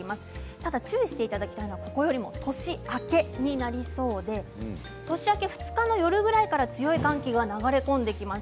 ただ注意していただきたいのはここよりも年明けになりそうで年明け２日の夜ぐらいから強い寒気が流れ込んできます。